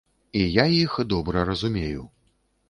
І я іх добра разумею!